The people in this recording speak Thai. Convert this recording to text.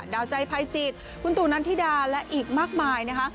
ดาวใจภัยจิตคุณตู่นันทิดาและอีกมากมายนะคะ